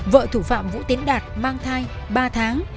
vợ thủ phạm vũ tiến đạt mang thai ba tháng